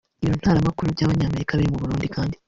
Ibiro Ntaramakuru by’Abanyamerika biri mu Burundi kandi